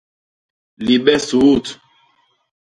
Libe suut!